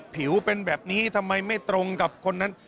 ผิวเป็นแบบนี้ทำไมไม่ตรงกับคนนั้น